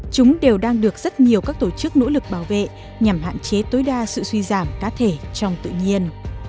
chúng đều đang được rất nhiều các tổ chức nỗ lực bảo vệ nhằm hạn chế tối đa sự suy giảm cá thể trong tự nhiên